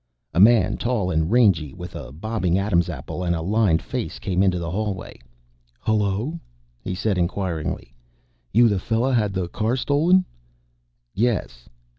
A man, tall and rangy, with a bobbing Adam's apple and a lined face, came into the hallway. "Hullo?" he said inquiringly. "You the fella had the car stolen?" "Yes."